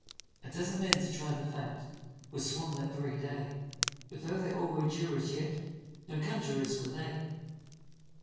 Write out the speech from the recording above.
A dozen men to try the fact, Were sworn that very day; But tho' they all were jurors, yet No conjurors were they.